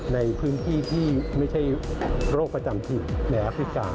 ในพื้นที่ที่ไม่ใช่โรคประจำถิ่นในแอฟริกา